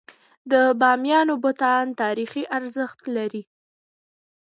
د بامیانو بتان تاریخي ارزښت لري.